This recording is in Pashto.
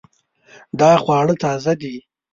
دا خواړه تازه دي